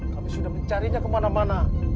kami sudah mencarinya kemana mana